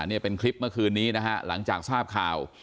นี่เป็นคลิปเมื่อคืนนี้นะฮะหลังจากทราบข่าว